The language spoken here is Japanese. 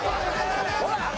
ほら！